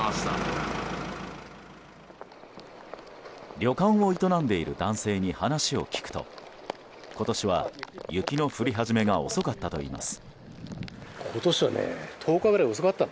旅館を営んでいる男性に話を聞くと今年は雪の降り始めが遅かったといいます。